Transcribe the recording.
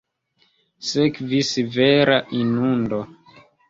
Sekvis vera inundo.